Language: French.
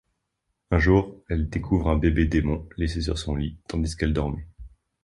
Un jour, elle découvre un bébé-démon laissé sur son lit tandis qu'elle dormait.